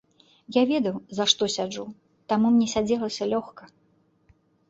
Я ведаў за што сяджу, таму мне сядзелася лёгка.